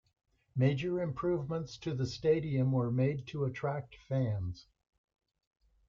Major improvements to the stadium were madea to attract fans.